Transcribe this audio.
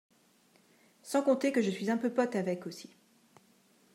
Sans compter que je suis un peu pote avec aussi